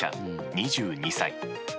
２２歳。